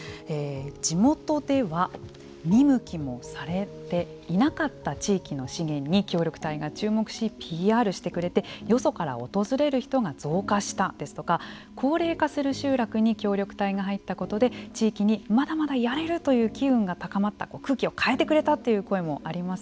地元では見向きもされていなかった地域の資源に協力隊が注目しＰＲしてくれてよそから訪れる人が増加したですとか高齢化する集落に協力隊が入ったことで地域にまだまだやれるという機運が高まった空気を変えてくれたという声もあります。